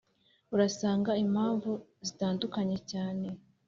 urasanga impamvu zitadukanye cyane